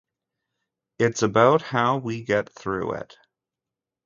It’s about how we get through it.